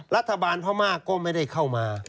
รัฐบาลพม่าก็ไม่ได้เข้ามา